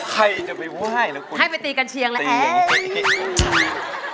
ใครจะไปไหว้แล้วคุณไห้ไปตีกันเชียงแหละตีแห่งเจ๊